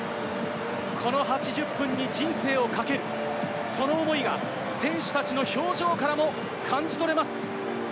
この８０分に人生をかける、その思いが選手たちの表情からも感じ取れます。